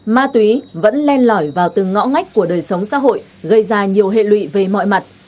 ma túy vẫn len lỏi vào từng ngõ ngách của đời sống xã hội gây ra nhiều hệ lụy về mọi mặt